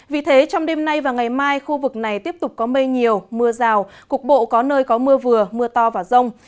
vì thế trong đêm nay và ngày mai khu vực này tiếp tục có mây nhiều mưa rào cục bộ có nơi có mưa vừa mưa to và rông